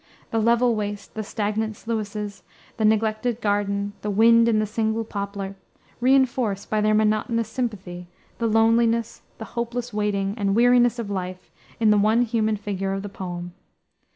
The level waste, the stagnant sluices, the neglected garden, the wind in the single poplar, re enforce, by their monotonous sympathy, the loneliness, the hopeless waiting and weariness of life in the one human figure of the poem.